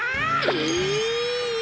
え！